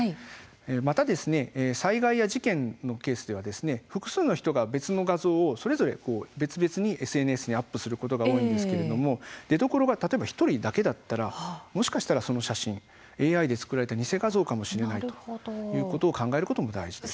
また災害や事件のケースでは複数の人が別の画像をそれぞれ別々にＳＮＳにアップすることが多いんですけれども出どころが例えば１人だけだったら、もしかしたらその写真はＡＩで作られた偽画像かもしれないということを考えることも大事です。